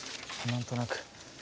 何となく。